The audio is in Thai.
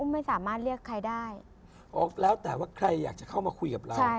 ไม่สามารถเรียกใครได้อ๋อแล้วแต่ว่าใครอยากจะเข้ามาคุยกับเรา